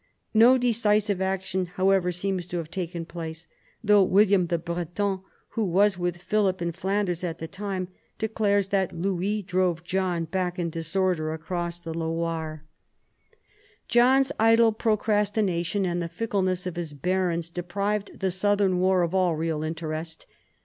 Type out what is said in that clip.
No decisive action, however, seems to have taken place, though William the Breton (who was with Philip in Flanders at the time) declares that Louis drove John back in disorder across the Loire. 86 PHILIP AUGUSTUS chap. John's idle procrastination and the fickleness of his barons deprived the southern war of all real interest.